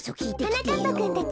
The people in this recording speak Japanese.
はなかっぱくんたち。